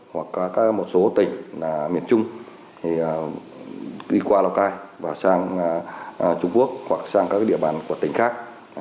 hoặc một số tỉnh miền trung thì đi qua lào cai và sang trung quốc hoặc sang các địa bàn của tỉnh khác